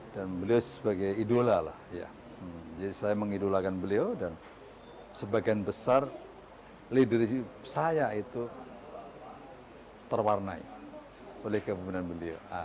dan beliau sebagai idola lah ya jadi saya mengidolakan beliau dan sebagian besar leadership saya itu terwarnai oleh kebunan beliau